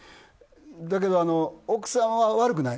だけど、奥さんは悪くない。